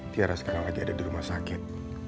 tiara sekarang lagi ada di rumah sakit